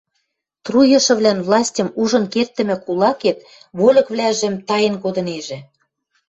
Труйышывлӓн властьым ужын керддӹмӹ кулакет вольыквлӓжӹм таен кодынежӹ.